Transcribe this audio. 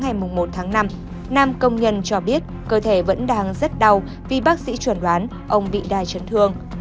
ngày một năm năm công nhân cho biết cơ thể vẫn đang rất đau vì bác sĩ chuẩn đoán ông bị đai chấn thương